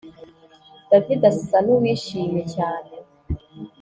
David asa nuwishimye cyane